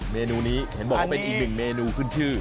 เมนูนี้เห็นบอกว่าเป็นอีกหนึ่งเมนูขึ้นชื่อ